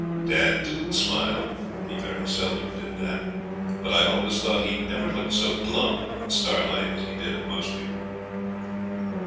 Dad didn't smile, he very seldom did that, but I always thought he never looked so glum at Starlight as he did at most people.